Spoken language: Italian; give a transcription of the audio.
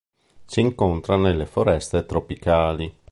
Si incontra nelle foreste tropicali.